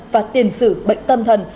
và tiền xử bệnh tâm thần